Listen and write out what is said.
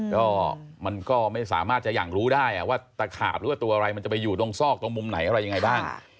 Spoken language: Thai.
ก็มันก็ไม่สามารถจะอย่างรู้ได้ว่าตะขาบหรือว่าตัวอะไรมันจะไปอยู่ตรงซอกตรงมุมไหนอะไรยังไงบ้าง